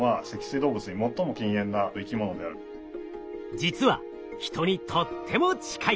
実はヒトにとっても近い！